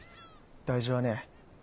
大事はねぇ。